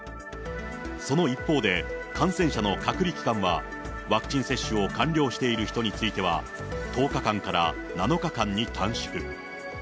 その一方で感染者の隔離期間は、ワクチン接種を完了している人については、１０日間から７日間に短縮。